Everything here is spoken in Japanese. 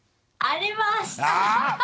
ありました。